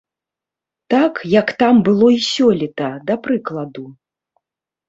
Так, як там было і сёлета, да прыкладу.